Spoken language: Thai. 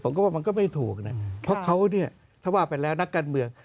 ผมก็ว่ามันก็ไม่ถูกนะเพราะเขาเนี่ยถ้าว่าไปแล้วนักการเมือง